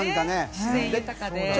自然豊かで。